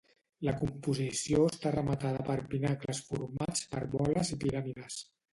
La composició està rematada per pinacles formats per boles i piràmides.